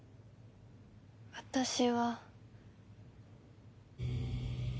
私は。